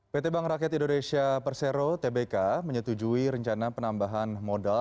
pt bank rakyat indonesia persero tbk menyetujui rencana penambahan modal